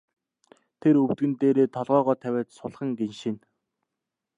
Тэр өвдгөн дээрээ толгойгоо тавиад сулхан гиншинэ.